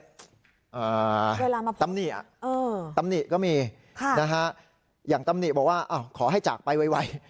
เวลามาพบตำนี่อะตำนี่ก็มีนะฮะอย่างตำนี่บอกว่าขอให้จากไปไว